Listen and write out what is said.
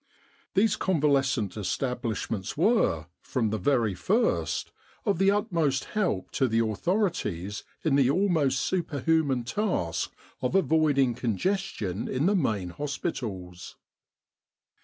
These convalescent establishments were, from the very first, of the utmost help to the authorities in the almost superhuman task of avoiding congestion in the main hospitals.